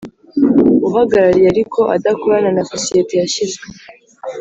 Uhagarariye ariko adakorana na sosiyete yashyizwe